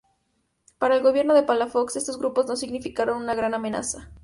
Para el gobierno de Palafox estos grupos no significaron una gran amenaza.